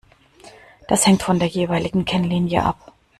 Das hängt von der jeweiligen Kennlinie ab.